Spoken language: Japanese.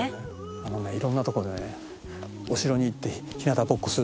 あのね色んなとこでねお城に行って日なたぼっこするのよ